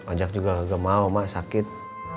ojak juga kagak mau mak sakit